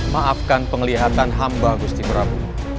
maafkan penglihatan hamba gusti prabu